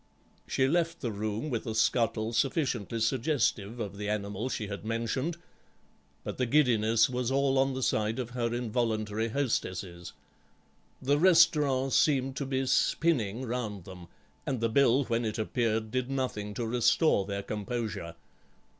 She left the room with a scuttle sufficiently suggestive of the animal she had mentioned, but the giddiness was all on the side of her involuntary hostesses. The restaurant seemed to be spinning round them; and the bill when it appeared did nothing to restore their composure.